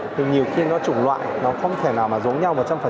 thì nhiều khi nó chủng loại nó không thể nào mà giống nhau một trăm linh